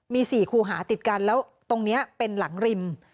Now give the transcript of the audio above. มี๔คูหาติดกันแล้วตรงนี้เป็นหลังริม